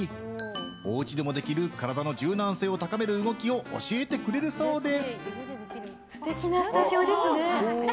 お家でもできる体の柔軟性を高める動きを教えてくれるそうです。